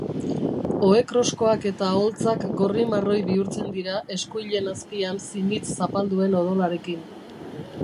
Ohe-kroskoak eta holtzak gorri-marroi bihurtzen dira eskuilen azpian zimitz zapalduen odolarekin.